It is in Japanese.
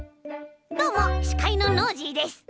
どうもしかいのノージーです！